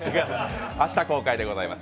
明日公開でございます。